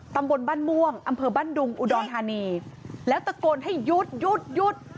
ตำบลบ้านม่วงอำเภอบ้านดุงอุดรธานีแล้วตะโกนให้หยุดหยุดหยุด